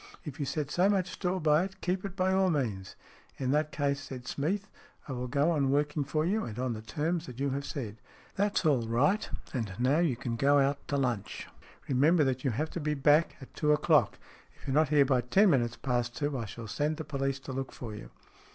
If you set so much store by it, keep it by all means." " In that case," said Smeath, " I will go on working for you, and on the terms that you have said." " That's all right ; and now you can go out to c 34 STORIES IN GREY lunch. Remember that you have to be back at two o'clock. If you are not here by ten minutes past two, I shall send the police to look for you."